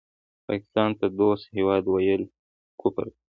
پاکستان ته دوست هېواد وویل کفر دی